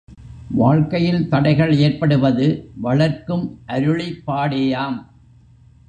வாழ்க்கையில் தடைகள் ஏற்படுவது வளர்க்கும் அருளிப்பாடேயாம்.